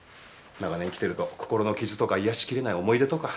長年生きてると心の傷とか癒やしきれない思い出とか。